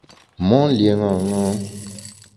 Mon lié ṅaṅâ.